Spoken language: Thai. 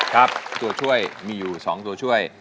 ครับตัวช่วยมีอยู่๒ตัวช่วย